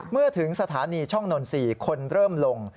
เมื่อถึงสถานีช่องนนทรีย์คนเริ่มลง